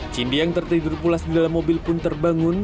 cindy yang tertidur pulas di dalam mobil pun terbangun